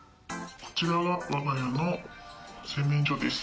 こちらが我が家の洗面所です。